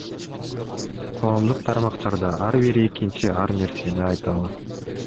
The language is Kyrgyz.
Коомдук тармактарда ар бир экинчи ар нерсени айта алат.